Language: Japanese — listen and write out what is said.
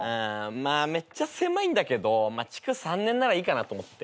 まあめっちゃ狭いんだけど築３年ならいいかなと思って。